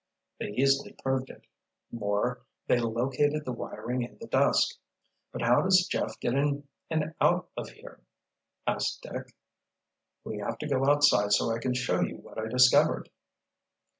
They easily proved it. More, they located the wiring in the dusk. "But how does Jeff get in and out of here?" asked Dick. "We have to go outside so I can show you what I discovered."